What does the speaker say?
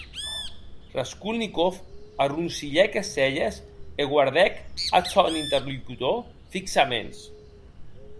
Raskolnikov arroncilhèc es celhes e guardèc ath sòn interlocutor fixaments.